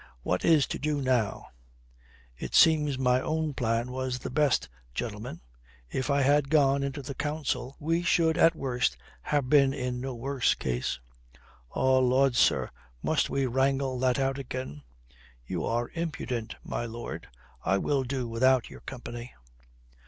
What is to do now?" "It seems my own plan was the best, gentlemen. If I had gone into the Council we should at the worst have been in no worse case." "Oh Lud, sir, must we wrangle that out again?" "You are impudent, my lord. I will do without your company."